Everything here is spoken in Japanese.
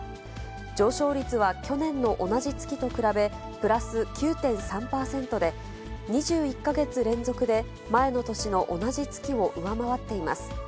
上昇率は去年の同じ月と比べ、プラス９．３％で、２１か月連続で前の年の同じ月を上回っています。